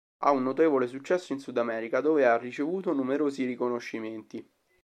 Ha un notevole successo in Sudamerica dove ha ricevuto numerosi riconoscimenti.